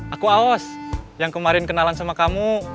aku aos yang kemarin kenalan sama kamu